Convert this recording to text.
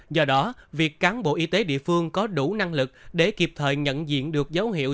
do đó việc cán bộ y tế địa phương có đủ năng lực để kịp thời nhận diện được dấu hiệu